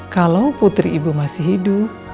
kalau putri ibu masih hidup